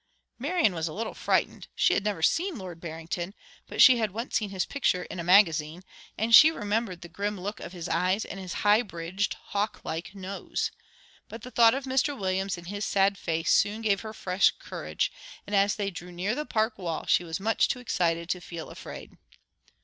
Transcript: Marian was a little frightened. She had never seen Lord Barrington, but she had once seen his picture in a magazine; and she remembered the grim look of his eyes and his high bridged, hawk like nose. But the thought of Mr Williams and his sad face soon gave her fresh courage; and as they drew near the Park wall she was much too excited to feel afraid.